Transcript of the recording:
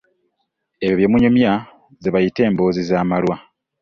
Ebyo bye munyumya ze bayita emboozi z'amalwa.